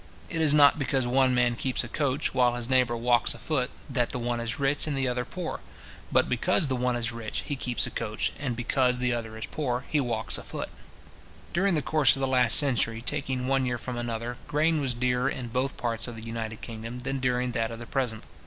It is not because one man keeps a coach, while his neighbour walks a foot, that the one is rich, and the other poor; but because the one is rich, he keeps a coach, and because the other is poor, he walks a foot. During the course of the last century, taking one year with another, grain was dearer in both parts of the united kingdom than during that of the present.